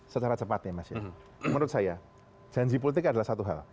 secara cepat ya mas ya menurut saya janji politik adalah satu hal